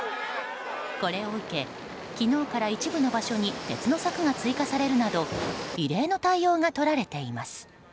これを受け昨日から一部の場所に鉄の柵が追加されるなど異例の対応がとられています。